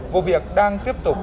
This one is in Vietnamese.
vụ việc đang tiếp tục